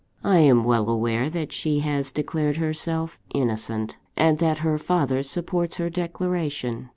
I am well aware that she has declared herself innocent, and that her father supports her declaration.